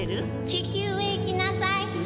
「地球へ行きなさい」